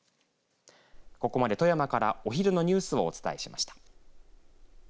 ここまで富山からお昼のニュースをお伝えしました。